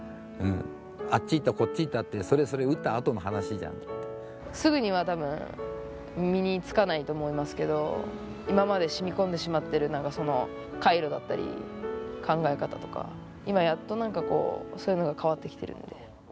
あっちいった、こっちいったって、すぐにはたぶん、身につかないと思いますけど、今までしみこんでしまってるなんかその回路だったり、考え方とか、今やっと、なんかそういうのが変わってきているんで。